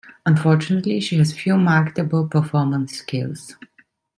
Unfortunately, she has few marketable performance skills.